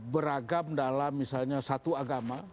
beragam dalam misalnya satu agama